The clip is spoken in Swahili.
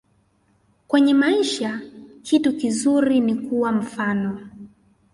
Kwenye maisha kitu kizuri ni kuwa mfano